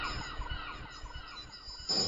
এখন আমাদের মাঝে আসবে আঞ্জলি খান্না।